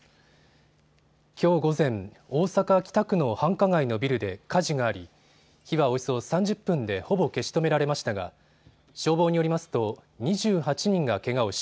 きょう午前、大阪北区の繁華街のビルで火事があり火はおよそ３０分でほぼ消し止められましたが消防によりますと２８人がけがをし